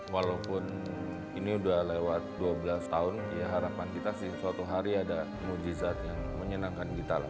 walaupun ini udah lewat dua belas tahun ya harapan kita sih suatu hari ada mujizat yang menyenangkan kita lah